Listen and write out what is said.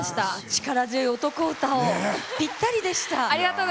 力強い男歌ぴったりでした！